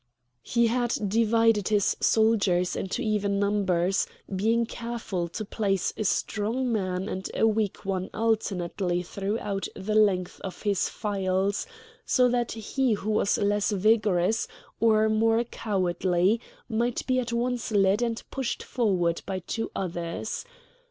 He had divided his soldiers into even numbers, being careful to place a strong man and a weak one alternately throughout the length of his files, so that he who was less vigorous or more cowardly might be at once led and pushed forward by two others.